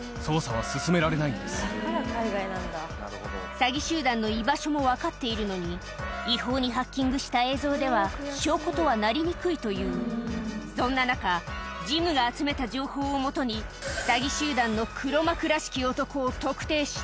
詐欺集団の居場所も分かっているのに違法にハッキングした映像では証拠とはなりにくいというそんな中ジムが集めた情報をもとに彼の名は。